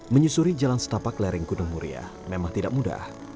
menyusuri jalan setapak lereng gunung muria memang tidak mudah